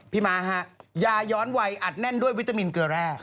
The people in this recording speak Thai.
ม้าฮะยาย้อนวัยอัดแน่นด้วยวิตามินเกลือแร่